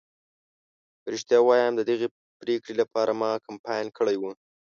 که رښتیا ووایم ددغې پرېکړې لپاره ما کمپاین کړی و.